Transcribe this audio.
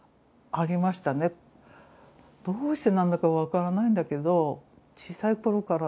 どうしてなんだか分からないんだけど小さいころからね